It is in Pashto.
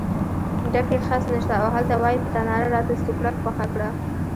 ډکی خس نشته او هلته وایې په تناره راته سوکړک پخ کړه.